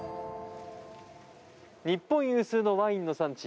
日本有数のワインの産地